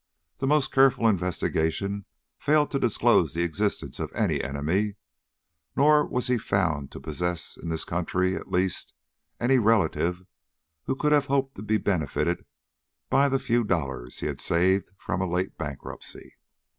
The most careful investigation failed to disclose the existence of any enemy, nor was he found to possess in this country, at least, any relative who could have hoped to be benefited by the few dollars he had saved from a late bankruptcy.